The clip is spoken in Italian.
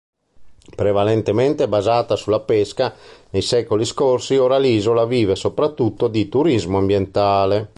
Prevalentemente basata sulla pesca nei secoli scorsi, ora l'isola vive soprattutto di turismo ambientale.